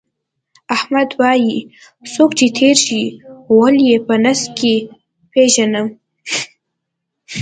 احمد وایي: څوک چې تېر شي، غول یې په نس کې پېژنم.